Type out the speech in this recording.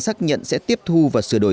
xác nhận sẽ tiếp thu và sửa đổi